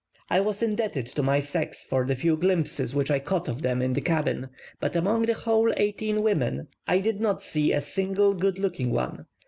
I was indebted to my sex for the few glimpses which I caught of them in the cabin; but among the whole eighteen women I did not see a single good looking one.